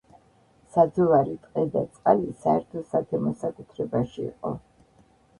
საძოვარი, ტყე და წყალი საერთო სათემო საკუთრებაში იყო.